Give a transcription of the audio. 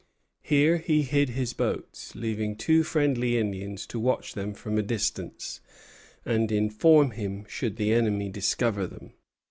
Here he hid his boats, leaving two friendly Indians to watch them from a distance, and inform him should the enemy discover them.